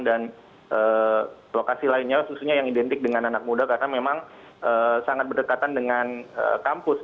dan lokasi lainnya khususnya yang identik dengan anak muda karena memang sangat berdekatan dengan kampus